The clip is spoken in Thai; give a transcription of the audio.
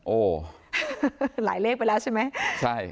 โอ้วหลายเลขไปแล้วใช่ไหม